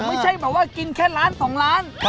ไม่ใช่แบบว่ากินแค่ล้าน๒ล้าน